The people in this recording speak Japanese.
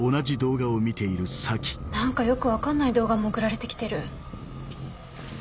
何かよく分かんない動画も送られてきてる。